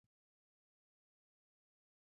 چوکۍ د څښاک ځای ته ایښودل کېږي.